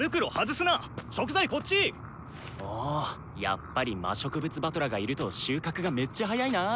やっぱり魔植物師団がいると収穫がめっちゃ早いな。